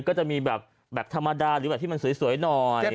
ก็จะมีแบบธรรมดาหรือแบบที่มันสวยหน่อย